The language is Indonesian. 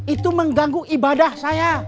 itu mengganggu ibadah saya